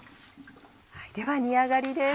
では煮上がりです。